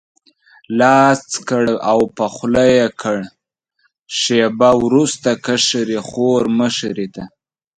لاس کړ او په خوله یې کړ، شېبه وروسته کشرې خور مشرې ته.